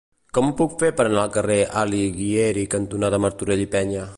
Com ho puc fer per anar al carrer Alighieri cantonada Martorell i Peña?